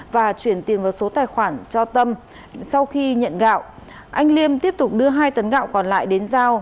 và chuyển tiền vào số tài khoản cho tâm sau khi nhận gạo anh liêm tiếp tục đưa hai tấn gạo còn lại đến giao